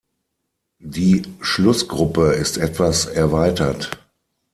Die Schlussgruppe ist etwas erweitert.